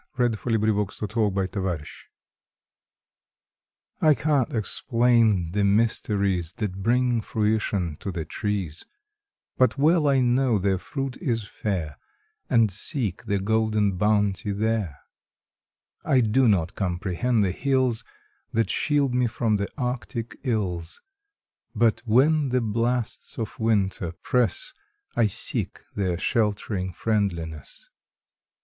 February Eighteenth THE UNFATHOMABLE T CAN T explain the mysteries That bring fruition to the trees, But well I know their fruit is fair And seek the golden bounty there. I do not comprehend the hills That shield me from the Arctic ills, But when the blasts of winter press I seek their sheltering friendliness.